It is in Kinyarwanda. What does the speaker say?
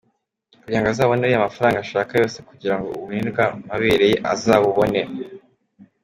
Kugira ngo azabone ariya mafaranga ashaka yose kugira ngo ubunini bw’amabere ye azabubone.